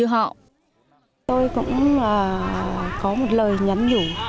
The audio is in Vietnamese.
tôi cũng có một lời nhắn nhủ